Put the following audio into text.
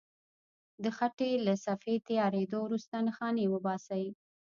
د خټې له صفحې تیارېدو وروسته نښانې وباسئ.